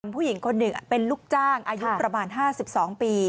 ผู้หญิงคนหนึ่งเป็นลูกจ้างอายุประมาณ๕๒ปี